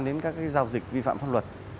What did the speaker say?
đến các giao dịch vi phạm pháp luật